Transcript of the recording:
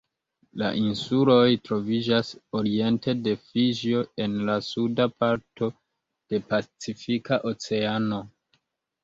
La insuloj troviĝas oriente de Fiĝio en la suda parto de Pacifika Oceano.